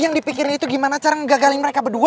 yang dipikirin itu gimena cara ngagalin mereka berdua